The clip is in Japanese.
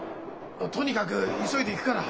とにかく急いで行くから。